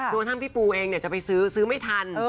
ทั้งพี่ปูเองจะไปซื้อซื้อไม่ทัน